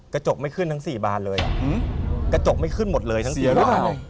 กระจกไม่ขึ้นทั้ง๔บานเลยกระจกไม่ขึ้นหมดเลยทั้ง๔บานเลย